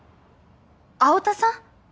青田さん！？